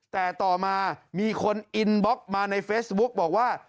แต่ต่อมามีคนอินบล็อกมาในเฟซบุ๊กบอกว่า